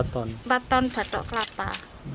empat ton batok kelapa